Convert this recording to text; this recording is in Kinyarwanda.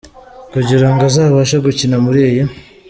Kugira ngo azabashe gukina muri iyi.